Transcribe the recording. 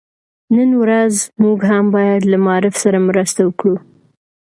نن ورځ موږ هم بايد له معارف سره مرسته وکړو.